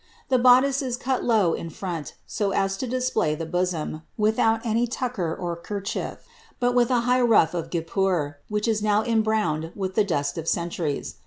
The boddice is cut low in front, so as to display the bosom, without any tucker or kerchief, but with a high ruff of guipure, which is now embrowned with the dust of centuries.